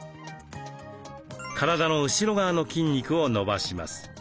体の後ろ側の筋肉を伸ばします。